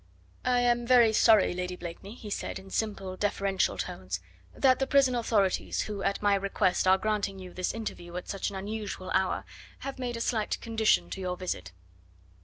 "I am very sorry, Lady Blakeney," he said in simple, deferential tones, "that the prison authorities, who at my request are granting you this interview at such an unusual hour, have made a slight condition to your visit."